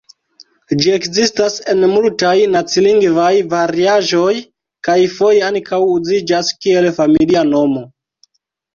Ĝi ekzistas en multaj nacilingvaj variaĵoj, kaj foje ankaŭ uziĝas kiel familia nomo.